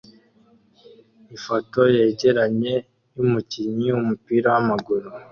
Ifoto yegeranye yumukinnyi wumupira wamaguru